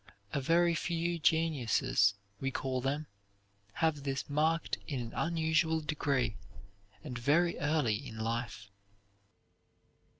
A very few geniuses, we call them have this marked in an unusual degree, and very early in life.